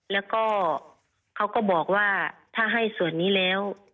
แล้วก็เขาก็บอกว่าถ้าให้ส่วนนี้แล้ว